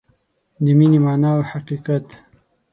د مینې مانا او حقیقت